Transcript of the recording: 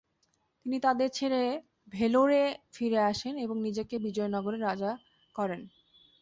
তিনি তাদের ছেড়ে ভেলোরে ফিরে আসেন এবং নিজেকে বিজয়নগরের রাজা করেন।